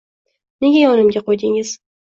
Nega yonimga qo`ydingiz